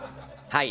はい。